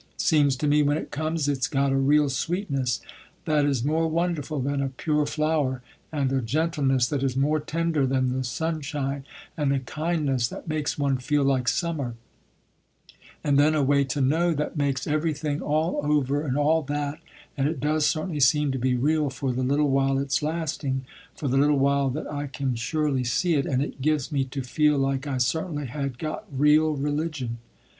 Seems to me when it comes it's got a real sweetness, that is more wonderful than a pure flower, and a gentleness, that is more tender than the sunshine, and a kindness, that makes one feel like summer, and then a way to know, that makes everything all over, and all that, and it does certainly seem to be real for the little while it's lasting, for the little while that I can surely see it, and it gives me to feel like I certainly had got real religion.